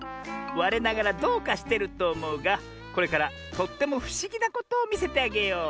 われながらどうかしてるとおもうがこれからとってもふしぎなことをみせてあげよう。